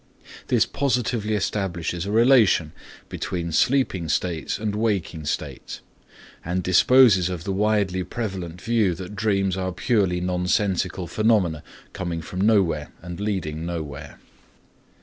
This positively establishes a relation between sleeping states and waking states and disposes of the widely prevalent view that dreams are purely nonsensical phenomena coming from nowhere and leading nowhere.